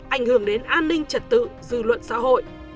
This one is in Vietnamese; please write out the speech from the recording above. ảnh hưởng đến an ninh trật tự dư luận xã hội